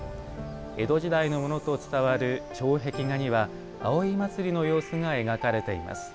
江戸時代のものと伝わる障壁画には葵祭の様子が描かれています。